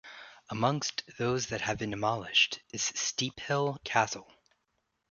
Amongst those that have been demolished is Steephill Castle.